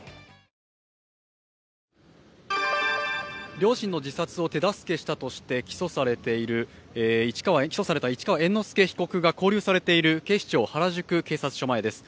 両親の自殺を手助けしたとして起訴された市川猿之助被告が勾留されている警視庁原宿警察署前です。